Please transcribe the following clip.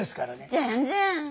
全然。